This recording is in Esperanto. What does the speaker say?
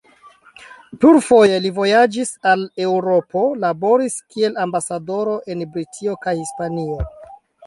Plurfoje li vojaĝis al Eŭropo, laboris kiel ambasadoro en Britio kaj Hispanio.